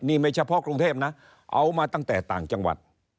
นี่ไม่เฉพาะกรุงเทพนะเอามาตั้งแต่ต่างจังหวัด